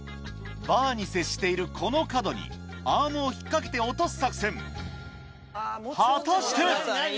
バーに接しているこの角にアームを引っ掛けて落とす作戦果たして？